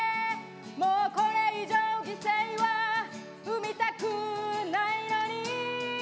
「もうこれ以上犠牲は生みたくないのに」